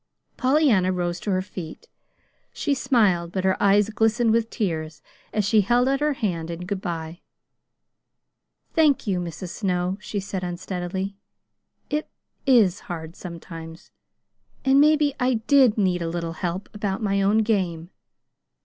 Pollyanna rose to her feet. She smiled, but her eyes glistened with tears, as she held out her hand in good by. "Thank you, Mrs. Snow," she said unsteadily. "It IS hard sometimes; and maybe I DID need a little help about my own game.